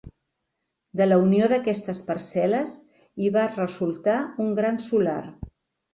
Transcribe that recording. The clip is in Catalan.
De la unió d'aquestes parcel·les hi va resultar un gran solar.